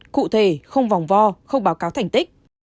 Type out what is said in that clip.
cụ thể không vòng vo không báo cáo thành tích